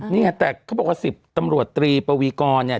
นี่ไงแต่เขาบอกว่า๑๐ตำรวจตรีปวีกรเนี่ย